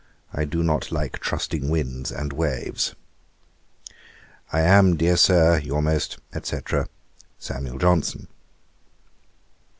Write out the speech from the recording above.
I do not like trusting winds and waves. 'I am, dear Sir, 'Your most, &c. 'SAM. JOHNSON.'